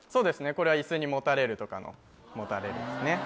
これはイスにもたれるとかの凭れるですね